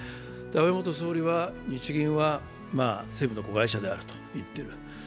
安倍元総理は日銀は政府の子会社であると言ってる。